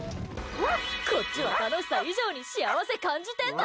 こっちは楽しさ以上に幸せ感じてんだ！